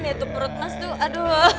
ya tuh perut mas tuh aduh